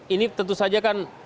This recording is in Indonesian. ini tentu saja kan